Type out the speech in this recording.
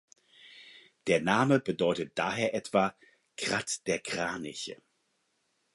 Der Name bedeutet daher etwa „Kratt der Kraniche“.